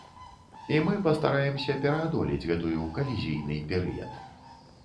І мы пастараемся пераадолець гэтую калізійны перыяд.